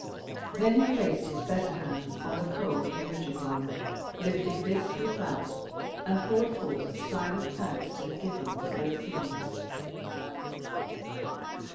Then he placed his better hand on the cold and rigid one, lifting this with that, and poured forth silent thanks to the Giver of all things.